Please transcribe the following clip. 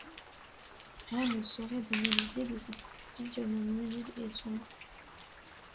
Rien ne saurait donner l’idée de cette physionomie vive et sombre.